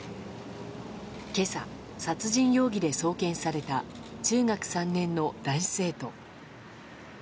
今朝、殺人容疑で送検された中学３年の男子生徒。